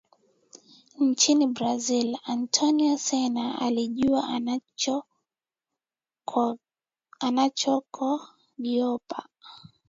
zaidi nchini Brazil Antonio Sena alijua anachokogiopa